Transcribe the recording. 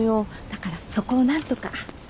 だからそこをなんとか。